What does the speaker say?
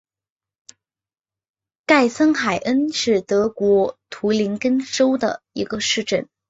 盖森海恩是德国图林根州的一个市镇。